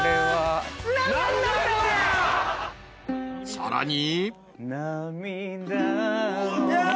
［さらに］